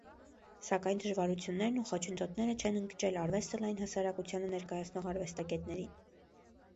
Սակայն դժվարություններն ու խոչընդոտները չեն ընկճել արվեստը լայն հասարակությանը ներկայացնող արվեստագետներին։